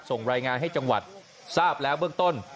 ส่งรายงานให้จังหวัดทราบแล้วเบื้องต้น